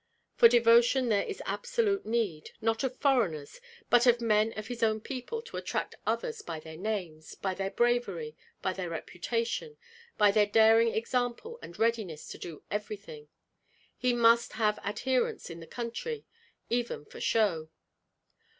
For devotion there is absolute need, not of foreigners, but of men of his own people to attract others by their names, by their bravery, by their reputation, by their daring example and readiness to do everything. He must have adherents in the country, even for show.